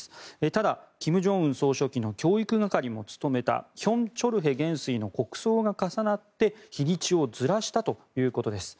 ただ、金正恩総書記の教育係も務めたヒョン・チョルヘ元帥の国葬が重なって日にちをずらしたということです。